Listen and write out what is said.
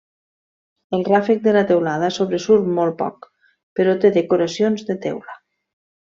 El ràfec de la teulada sobresurt molt poc, però té decoracions de teula.